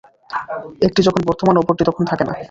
একটি যখন বর্তমান, অপরটি তখন থাকে না।